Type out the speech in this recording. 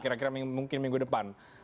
kira kira mungkin minggu depan